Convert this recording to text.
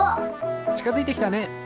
ちかづいてきたね。